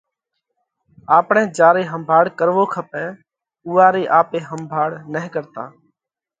آپڻئہ جيا رئي ۿمڀاۯ ڪروو کپئہ اُوئا رئي آپي ۿمڀاۯ نھ ڪرتا۔